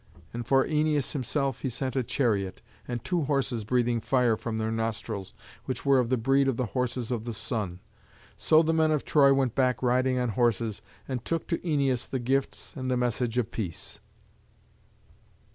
And for Æneas himself he sent a chariot, and two horses breathing fire from their nostrils, which were of the breed of the horses of the Sun. So the men of Troy went back riding on horses, and took to Æneas the gifts and the message of peace.